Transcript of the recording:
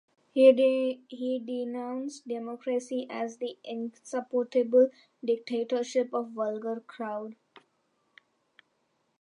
He denounced democracy as "the insupportable dictatorship of vulgar crowd".